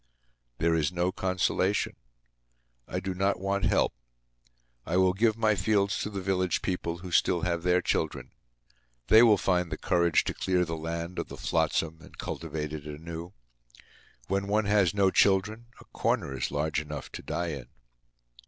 There is no consolation. I do not want help. I will give my fields to the village people who still have their children. They will find the courage to clear the land of the flotsam and cultivate it anew. When one has no children, a corner is large enough to die in.